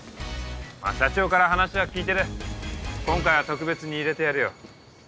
社長から話は聞いてる今回は特別に入れてやるよ。